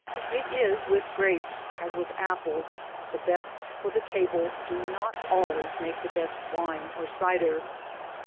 It is \^ith "Grapes as with Apples, the best for the table do not al ways make the best Wine or Cider.